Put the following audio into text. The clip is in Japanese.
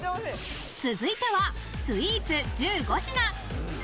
続いてはスイーツ１５品。